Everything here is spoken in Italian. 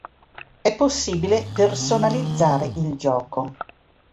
È possibile personalizzare il gioco.